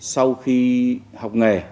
sau khi học nghề